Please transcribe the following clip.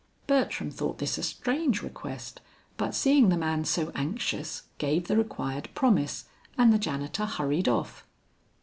Bertram thought this a strange request, but seeing the man so anxious, gave the required promise, and the janitor hurried off.